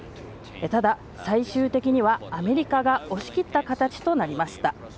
ただ、最終的にはアメリカが押し切った形となりました。